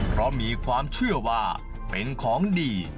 เพราะมีความเชื่อว่าเป็นของดี